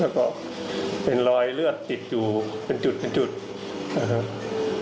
แล้วก็เป็นรอยเลือดติดอยู่เป็นจุดเป็นจุดนะครับ